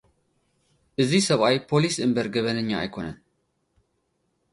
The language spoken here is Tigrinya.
እዚ ሰብኣይ ፓሊስ እምበር ገበነኛ ኣይኮነን።